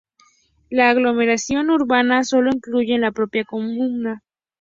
La aglomeración urbana sólo incluye a la propia comuna.